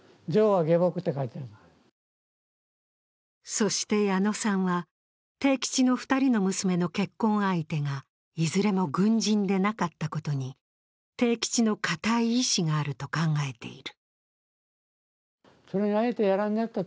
そして矢野さんは、悌吉の２人の娘の結婚相手がいずれも軍人でなかったことに悌吉の固い意思があると考えている。